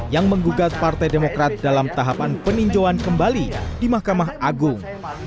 yang menggugat partai demokrat dalam tahapan peninjauan kembali di mahkamah agung